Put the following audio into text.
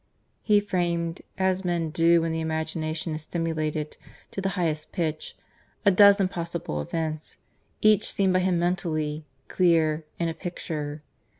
He framed, as men do when the imagination is stimulated to the highest pitch, a dozen possible events each seen by him mentally, clear, in a picture.